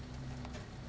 saya mau pergi ke rumah